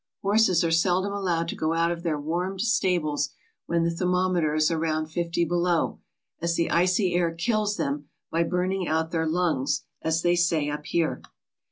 Horses are seldom allowed to go out of their warmed stables when the thermometer is around fifty below, as the icy air kills them by '"burning out" their lungs, as they say up here.